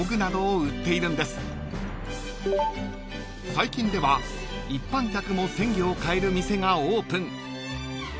［最近では一般客も鮮魚を買える店がオープン］